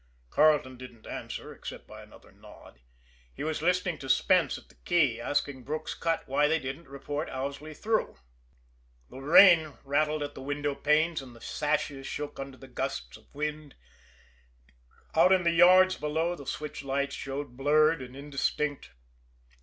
Carleton didn't answer, except by another nod. He was listening to Spence at the key, asking Brook's Cut why they didn't report Owsley through. The rain rattled at the window panes, and the sashes shook under the gusts of wind; out in the yards below the switch lights showed blurred and indistinct.